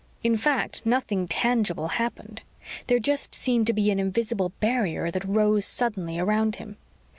In fact, nothing tangible happened. There just seemed to be an invisible barrier that rose suddenly around him.